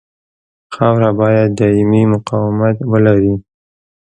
خاوره باید دایمي مقاومت ولري